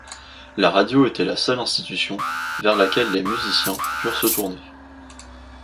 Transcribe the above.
La radio était la seule institution vers laquelle les musiciens purent se tourner.